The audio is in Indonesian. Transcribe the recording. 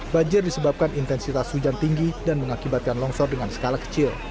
banjir disebabkan intensitas hujan tinggi dan mengakibatkan longsor dengan skala kecil